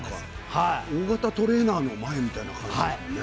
大型トレーラーの前みたいな感じですよね。